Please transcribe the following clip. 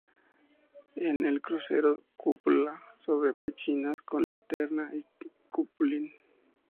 En el crucero, cúpula sobre pechinas con linterna y cupulín.